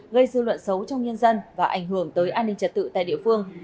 gây dư luận xấu trong nhân dân và ảnh hưởng tới an ninh trật tự tại địa phương